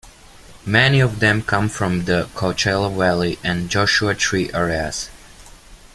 Many of them come from the Coachella Valley and Joshua Tree areas.